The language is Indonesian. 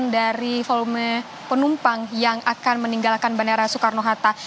dari volume penumpang yang akan meninggalkan bandara soekarno hatta